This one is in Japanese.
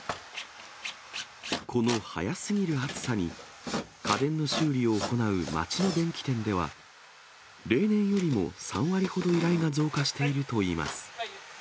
この早すぎる暑さに、家電の修理を行う町の電器店では、例年よりも３割ほど依頼が増加しているといいます。